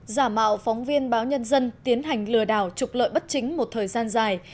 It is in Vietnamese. giả mạo phóng viên báo nhân dân tiến hành lừa đảo trục lợi bất chính một thời gian dài